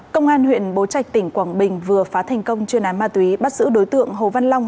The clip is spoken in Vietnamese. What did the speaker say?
công an huyện bố trạch tỉnh quảng bình vừa phá thành công chuyên án ma túy bắt giữ đối tượng hồ văn long